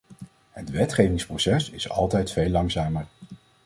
Het wetgevingsproces is altijd veel langzamer.